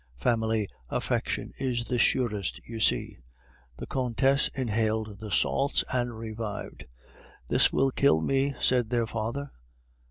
Family affection is the surest, you see." The Countess inhaled the salts and revived. "This will kill me!" said their father.